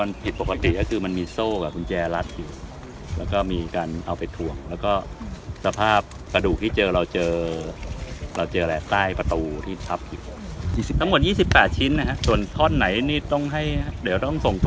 อ่าพยายามให้การว่าอย่างนั้นครับอ่าแต่เราก็ต้องมาดูคิดว่าเป็นวี่หญิง